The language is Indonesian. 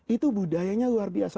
itu budayanya luar biasa